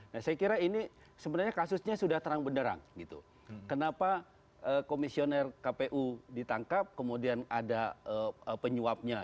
nah saya kira ini sebenarnya kasusnya sudah terang benderang gitu kenapa komisioner kpu ditangkap kemudian ada penyuapnya